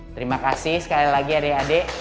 terima kasih sekali lagi adik adik